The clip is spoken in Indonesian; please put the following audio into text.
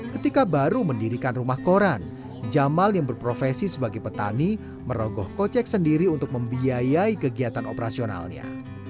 ketika baru mendirikan rumah koran jamal yang berprofesi sebagai petani merogoh kocek sendiri untuk membiayai kegiatan operasionalnya